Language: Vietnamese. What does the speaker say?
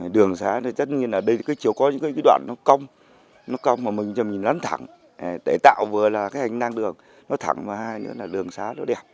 đường xá thì chắc như là đây chỉ có những cái đoạn nó cong nó cong mà mình cho mình lấn thẳng để tạo vừa là cái hành năng đường nó thẳng và hay nữa là đường xá nó đẹp